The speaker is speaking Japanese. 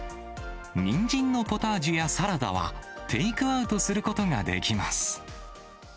にんじんのポタージュやサラダは、テイクアウトすることができます。